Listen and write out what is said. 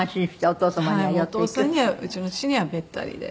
お父さんにはうちの父にはべったりで。